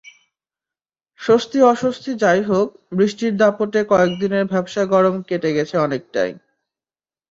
স্বস্তি-অস্বস্তি যাই হোক, বৃষ্টির দাপটে কয়েক দিনের ভ্যাপসা গরম কেটে গেছে অনেকটাই।